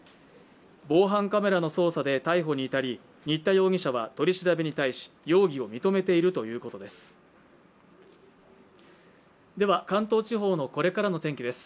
防犯カメラの捜査で逮捕に至り新田容疑者は取り調べに対し容疑を認めているということです。